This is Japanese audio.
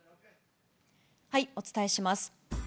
お伝えします。